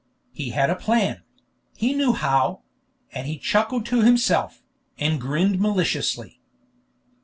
He had a plan he knew how; and he chuckled to himself, and grinned maliciously.